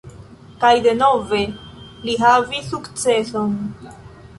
Kaj denove li havis sukceson.